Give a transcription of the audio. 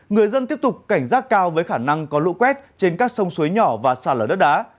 người dân tiếp tục cảnh giác cao với khả năng có lũ quét trên các sông suối nhỏ và xa lở đất đá